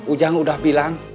ujang udah bilang